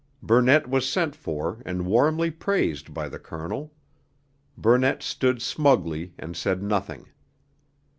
Burnett was sent for and warmly praised by the Colonel. Burnett stood smugly and said nothing.